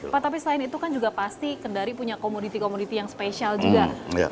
pak tapi selain itu kan juga pasti kendari punya komoditi komoditi yang spesial juga